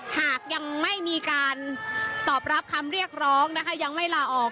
หากยังไม่มีการตอบรับคำเรียกร้องนะคะยังไม่ลาออก